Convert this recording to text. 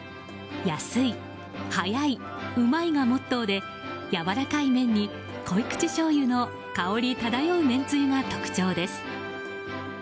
安い、早い、うまいがモットーでやわらかい麺に濃い口しょうゆの香り漂うめんつゆが特徴です。